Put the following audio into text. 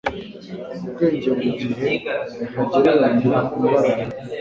Ubwenge burigihe ntagereranywa imbaraga.”